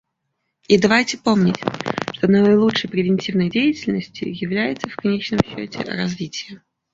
И давайте помнить, что наилучшей превентивной деятельностью является в конечном счете развитие.